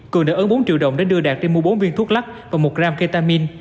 cường đã ứng bốn triệu đồng để đưa đạt đi mua bốn viên thuốc lắc và một gram ketamine